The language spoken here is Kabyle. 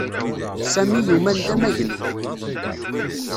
Sami yuman d amagnu